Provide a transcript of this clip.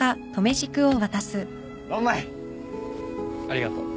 ありがとう。